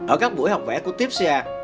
ở các buổi học vẽ của tiếp xe